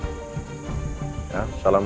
ya assalamualaikum walaikum salam